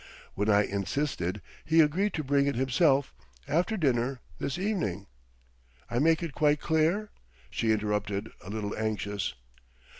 When I insisted, he agreed to bring it himself, after dinner, this evening.... I make it quite clear?" she interrupted, a little anxious.